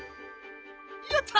やった！